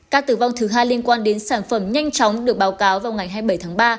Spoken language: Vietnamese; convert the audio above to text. ca tử vong thứ hai liên quan đến sản phẩm nhanh chóng được báo cáo vào ngày hai mươi bảy tháng ba